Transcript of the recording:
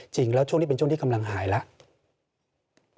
จริงแล้วช่วงนี้เป็นช่วงที่กำลังหายแล้ว